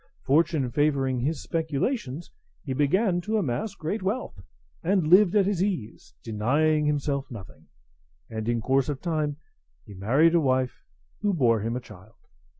Fortune favouring his speculations, he began to amass great wealth, and lived at his ease, denying himself nothing; and in course of time he married a wife, who bore him a child.